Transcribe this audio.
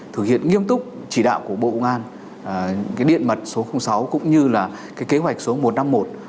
thực hiện nghiêm túc chỉ đạo của bộ công an cái điện mặt số sáu cũng như là cái kế hoạch số một trăm năm mươi một